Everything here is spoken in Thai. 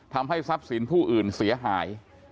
ทำให้ทรัพย์สินผู้อื่นเสียหาย